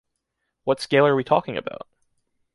What scale are we talking about?